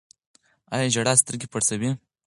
آیا ژړا سترګې پړسوي؟